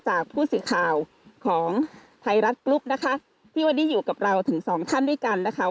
จากผู้สื่อข่าวของไทยรัฐกรุ๊ปนะคะที่วันนี้อยู่กับเราถึงสองท่านด้วยกันนะคะ